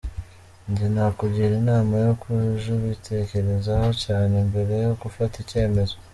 Njye nakugira inama yo jubitekerezaho cyane mbere yo gufata icyemezo.